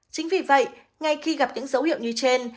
chính vì vậy ngay khi gặp những dấu hiệu như trên